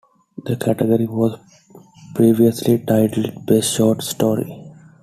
This category was previously titled "best short story".